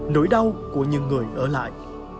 nỗi đau của những người ở lại